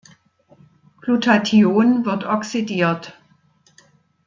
Glutathion wird oxidiert.